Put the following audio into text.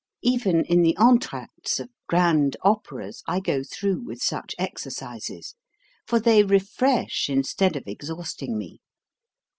Even in the entr'actes of grand operas I go through with such exercises; for they refresh instead of exhausting me.